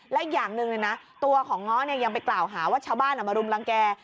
และอีกอย่างหนึ่งตัวของง้อยังไปกล่าวหาว่าชาวบ้านมารุมรังแก่